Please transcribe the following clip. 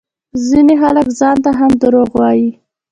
ځينې خلک ځانته هم دروغ وايي